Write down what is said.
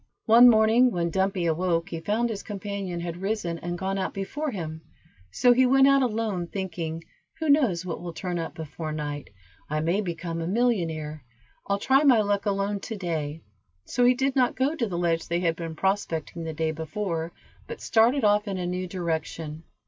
One morning when Dumpy awoke he found his companion had risen and gone out before him, so he went out alone, thinking, "who knows what will turn up before night, I may become a millionaire. I'll try my luck alone to day;" so he did not go to the ledge they had been prospecting the day before, but started off in a new direction.